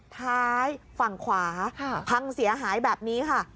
ท้ายฝั่งขวาพังเสียหายแบบนี้ค่ะ